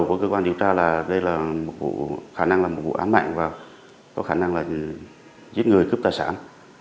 điều đầu của cơ quan điều tra là đây là một vụ khả năng là một vụ ám mạng và có khả năng là giết người cướp tài sản